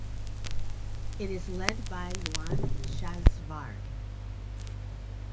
It is led by Luan Shazivari.